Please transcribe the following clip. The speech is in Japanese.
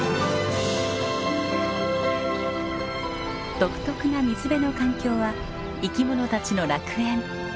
独特な水辺の環境は生き物たちの楽園。